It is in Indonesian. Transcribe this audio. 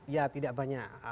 ya tidak banyak